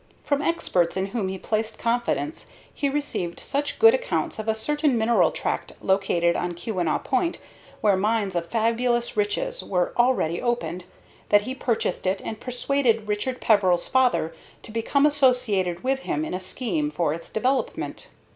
From experts in whom he placed confidence he received such good accounts of a certain mineral tract located on Keweenaw Point, where mines of fabulous richness were already opened, that he purchased it, and persuaded Richard Peveril's father to become associated with him in a scheme for its development.